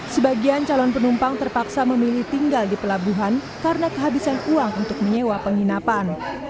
sebagian calon penumpang terpaksa memilih tinggal di pelabuhan karena kehabisan uang untuk menyewa penginapan